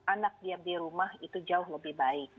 anak diam di rumah itu jauh lebih baik